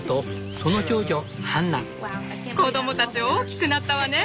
子供たち大きくなったわね！